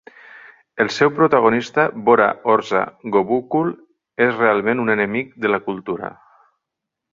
El seu protagonista Bora Horza Gobuchul és realment un enemic de la cultura.